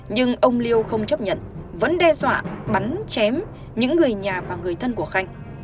nhưng ông liêu không chấp nhận vẫn đe dọa bắn chém những người nhà và người thân của khanh